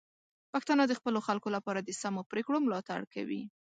پښتانه د خپلو خلکو لپاره د سمو پریکړو ملاتړ کوي.